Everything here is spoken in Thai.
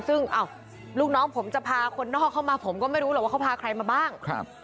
ซึ่งลูกน้องผมจะพาคนนอกเข้ามาผมก็ไม่รู้หรอกว่าเขาพาใครมาบ้าง